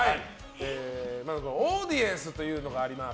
まずオーディエンスというのがあります。